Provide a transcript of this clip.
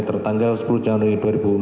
tertanggal sepuluh januari dua ribu enam belas